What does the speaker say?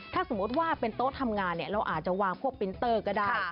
ถ้าสมมุติว่าเป็นโต๊ะทำงานเราอาจจะวางพวกปินเตอร์ก็ได้